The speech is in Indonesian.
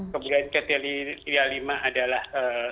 kemudian kriteria lima adalah